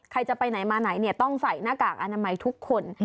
ใครจะไปไหนมาไหนต้องใส่หน้ากากอนามัยทุกคน